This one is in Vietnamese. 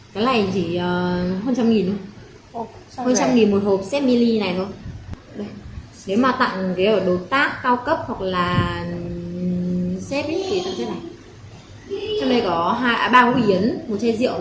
cái này giá bao nhiêu